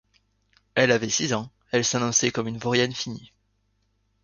Elle avait six ans, elle s'annonçait comme une vaurienne finie.